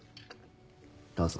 どうぞ。